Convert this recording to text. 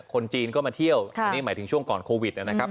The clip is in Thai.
คนจีนก็มาเที่ยวอันนี้หมายถึงช่วงก่อนโควิดนะครับ